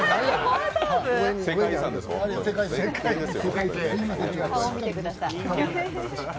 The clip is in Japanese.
世界遺産ですよ。